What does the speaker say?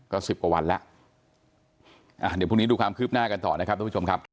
ก็สิบกว่าวันแล้วอ่าเดี๋ยวพรุ่งนี้ดูความคืบหน้ากันต่อนะครับทุกผู้ชมครับ